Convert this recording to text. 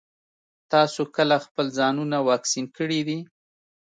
تاسو کله خپل ځانونه واکسين کړي دي؟